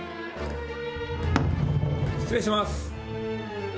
失礼します。